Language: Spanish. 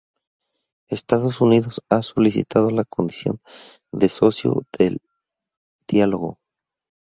Estados Unidos ha solicitado la condición de socio de diálogo.